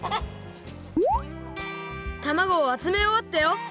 たまごをあつめおわったよ。